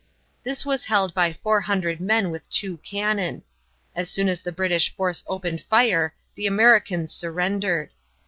This was held by 400 men with two cannon. As soon as the British force opened fire the Americans surrendered.